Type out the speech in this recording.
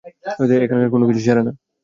এখানকার কোনোকিছুই সেরা না।